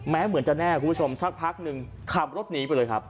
เหมือนจะแน่คุณผู้ชมสักพักหนึ่งขับรถหนีไปเลยครับ